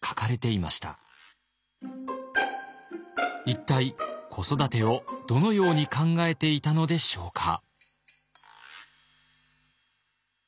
一体子育てをどのように考えていたのでしょうか。